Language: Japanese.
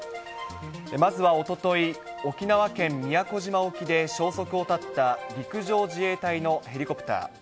まずはおととい、沖縄県宮古島沖で消息を絶った陸上自衛隊のヘリコプター。